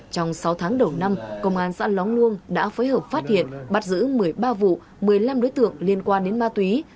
trong sáu tháng đầu năm công an xã lóng luông đã phối hợp phát hiện bắt giữ một mươi ba vụ một mươi năm đối tượng liên quan đến ma túy